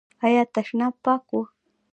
ایا تشناب پاک و؟